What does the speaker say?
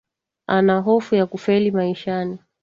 Ana hofu ya kufeli maishani